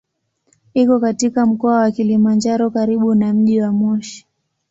Iko katika Mkoa wa Kilimanjaro karibu na mji wa Moshi.